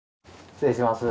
失礼します